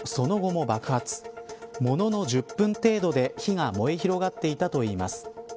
ものの１０分程度で火が燃え広がっていたといいます。